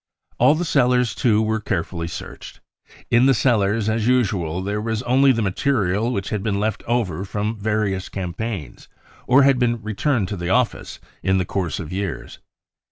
All the cellars too were carefully searched. In the cellars, as usual, there was only the material which had been left over from various campaigns or had been returned to the office in the course of years.